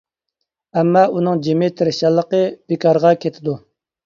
ئەمما ئۇنىڭ جىمى تىرىشچانلىقى بىكارغا كېتىدۇ.